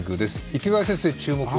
池谷先生、注目は？